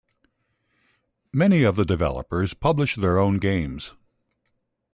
Many of the developers publish their own games.